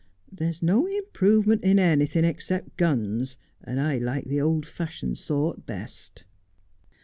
There's no improvement in anything except guns, and I like the old fashioned sort best.'